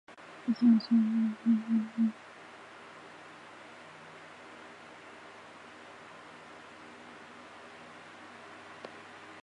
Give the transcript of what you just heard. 近松门左卫门的作品。